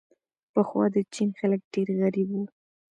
پخوا د چین خلک ډېر غریب وو.